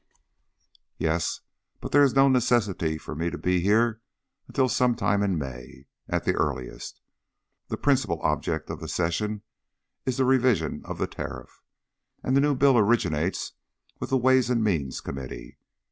"Yes, but there is no necessity for me to be here until some time in May at earliest. The principal object of the Session is the revision of the Tariff, and the new bill originates with the Ways and Means Committee.